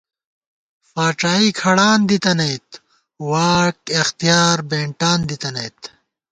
فاڄائی کھڑان دِتَنئیت واک اِختیار بېنٹان دِتَنَئیت